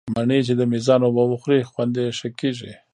مڼې چې د مېزان اوبه وخوري، خوند یې ښه کېږي.